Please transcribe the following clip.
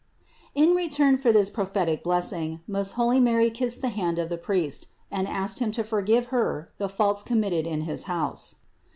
307. In return for this prophetic blessing, most holy Mary kissed the hand of the priest and asked him to for give Her the faults committed in his house.